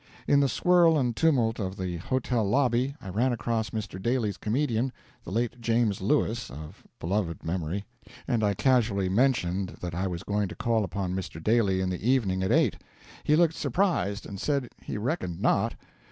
In the swirl and tumult of the hotel lobby I ran across Mr. Daly's comedian, the late James Lewis, of beloved memory, and I casually mentioned that I was going to call upon Mr. Daly in the evening at 8. He looked surprised, and said he reckoned not.